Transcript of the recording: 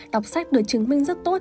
đọc sách được chứng minh rất tốt